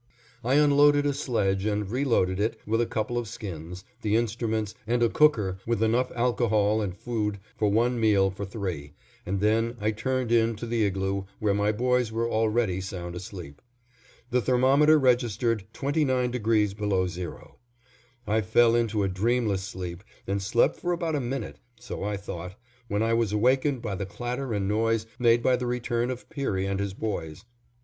I unloaded a sledge, and reloaded it with a couple of skins, the instruments, and a cooker with enough alcohol and food for one meal for three, and then I turned in to the igloo where my boys were already sound asleep. The thermometer registered 29° below zero. I fell into a dreamless sleep and slept for about a minute, so I thought, when I was awakened by the clatter and noise made by the return of Peary and his boys.